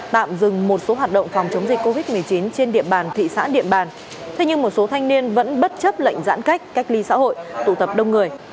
tạm dừng một số hoạt động phòng chống dịch covid một mươi chín trên địa bàn thị xã điện bàn thế nhưng một số thanh niên vẫn bất chấp lệnh giãn cách cách ly xã hội tụ tập đông người